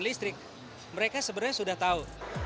listrik mereka sebenarnya sudah tahu